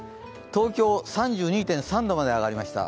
東京３２．３度まで上がりました。